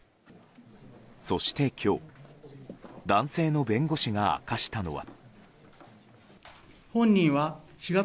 そして今日、男性の弁護士が明かしたのは。